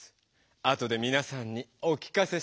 あとでみなさんにお聴かせしましょ。